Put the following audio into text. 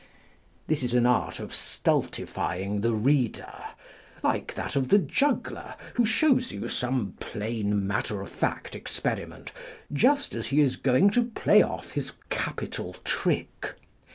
This is an art of stultifying the reader, like that of the juggler, who shows you some plain matter of fact experiment just as he is going to play off his capital trick.